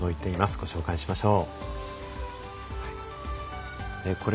ご紹介しましょう。